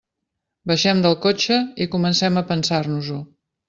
Baixem del cotxe i comencem a pensar-nos-ho.